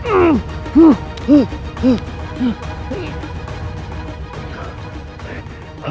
ketika atau lagi hidup bersama